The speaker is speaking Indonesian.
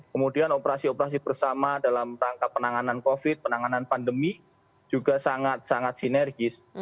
kemudian operasi operasi bersama dalam rangka penanganan covid penanganan pandemi juga sangat sangat sinergis